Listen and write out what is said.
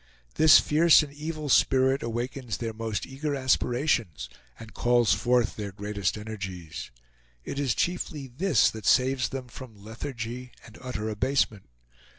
This fierce and evil spirit awakens their most eager aspirations, and calls forth their greatest energies. It is chiefly this that saves them from lethargy and utter abasement.